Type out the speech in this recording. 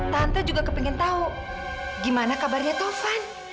tante juga kepengen tahu gimana kabarnya tovan